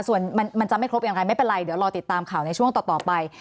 ส่วนมันจะไม่ครบอย่างไรไม่เป็นไรเดี๋ยวรอติดตามข่าวในช่วงต่อไป